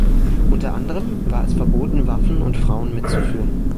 Unter anderem war es verboten, Waffen und Frauen mitzuführen.